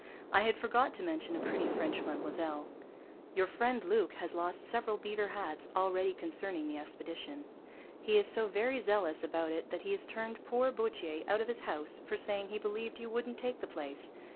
(I had forgot to mention a Pretty French Madammoselle.) Your Friend Luke has lost several Beaver Hatts already concerning the Expedition. He is so very zealous about it that he has turned poor Boutier out of his house for saying he believed you wouldn't take the Place.